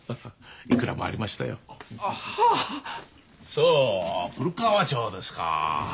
そう古川町ですか。